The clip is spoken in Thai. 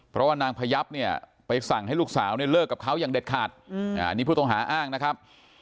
เพราะว่านางพยับเนี่ยไปสั่งให้ลูกสาวเนี่ยเลิกกับเขาอย่างเด็ดขาดอันนี้ผู้ต้องหาอ้างนะครับ